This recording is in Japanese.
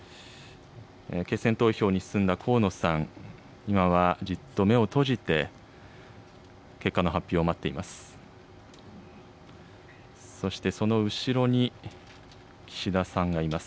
決選投票に進んだ河野さん、今はじっと目を閉じて、結果の発表を待っています。